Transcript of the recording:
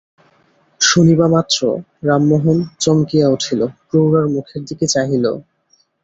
শুনিবামাত্র রামমোহন চমকিয়া উঠিল, প্রৌঢ়ার মুখের দিকে চাহিল।